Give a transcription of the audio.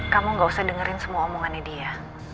kamu gak usah dengerin semua omongannya dia